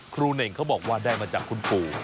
เน่งเขาบอกว่าได้มาจากคุณปู่